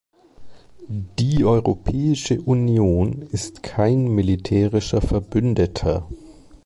Die Europäische Union ist kein militärischer Verbündeter.